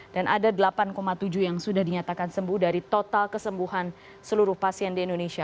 dan ada delapan tujuh yang sudah dinyatakan sembuh dari total kesembuhan seluruh pasien di indonesia